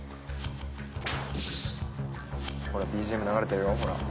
ＢＧＭ流れてるよ。